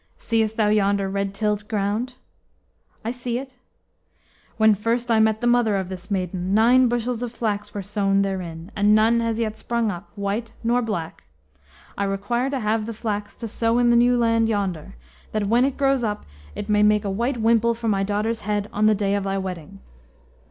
"Seest thou yonder red tilled ground?" "I see it." "When first I met the mother of this maiden, nine bushels of flax were sown therein, and none has yet sprung up, white nor black. I require to have the flax to sow in the new land yonder, that when it grows up it may make a white wimple for my daughter's head on the day of thy wedding."